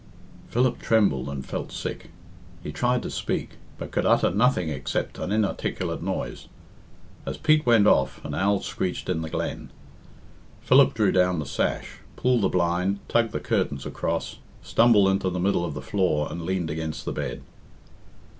Philip trembled and felt sick. He tried to speak, but could utter nothing except an inarticulate noise. As Pete went off, an owl screeched in the glen. Philip drew down the sash, pulled the blind, tugged the curtains across, stumbled into the middle of the floor, and leaned against the bed.